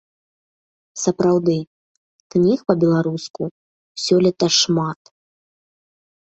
Сапраўды, кніг па-беларуску сёлета шмат.